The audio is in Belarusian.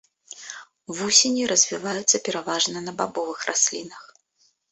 Вусені развіваюцца пераважна на бабовых раслінах.